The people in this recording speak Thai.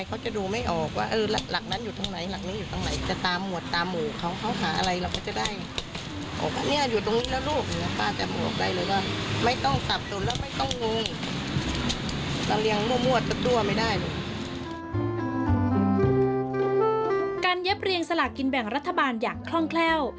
เย็บเรียงสลากกินแบ่งรัฐบาลอย่างคล่องแคล่ว